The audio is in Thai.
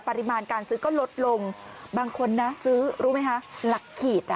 ปริมาณการซื้อก็ลดลงบางคนนะซื้อรู้ไหมคะหลักขีดอ่ะ